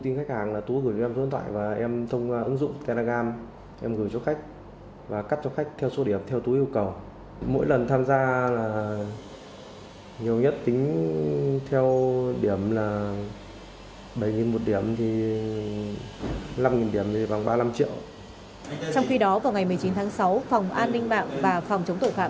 trong khi đó vào ngày một mươi chín tháng sáu phòng an ninh mạng và phòng chống tổ phạm